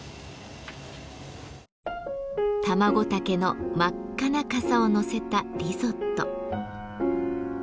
タマゴタケの真っ赤なかさをのせたリゾット。